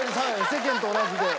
世間と同じで。